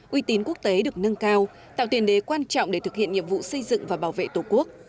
uy tín quốc tế được nâng cao tạo tiền đế quan trọng để thực hiện nhiệm vụ xây dựng và bảo vệ tổ quốc